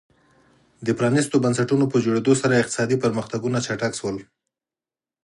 د پرانیستو بنسټونو په جوړېدو سره اقتصادي پرمختګونه چټک شول.